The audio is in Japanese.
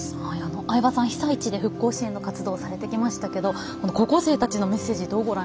相葉さん、被災地で復興支援の活動をされてきましたが高校生たちのメッセージ